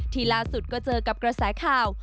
ที่ล่าสุดก็เจอกับกระแสข่าว